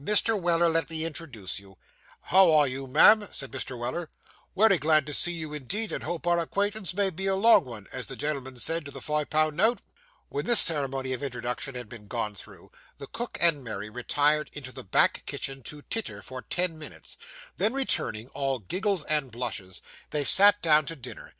'Mr. Weller, let me introduce you.' 'How are you, ma'am?' said Mr. Weller. 'Wery glad to see you, indeed, and hope our acquaintance may be a long 'un, as the gen'l'm'n said to the fi' pun' note.' When this ceremony of introduction had been gone through, the cook and Mary retired into the back kitchen to titter, for ten minutes; then returning, all giggles and blushes, they sat down to dinner.